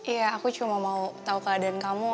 iya aku cuma mau tahu keadaan kamu